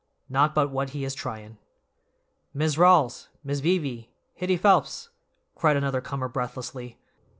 Not but what he is tryin'." "Mis' Rawls! Mis' Beebe! Hitty Phelps!" cried another comer breathlessly.